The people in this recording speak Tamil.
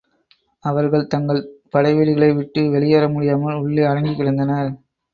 அவர்கள் தங்கள் படைவீடுகளை விட்டு வெளியறேமுடியாமல் உள்ளே அடங்கிக் கிடந்தனர்.